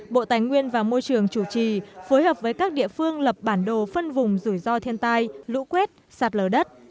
bộ tài nguyên và môi trường chủ trì phối hợp với các địa phương lập bản đồ phân vùng rủi ro thiên tai lũ quét sạt lở đất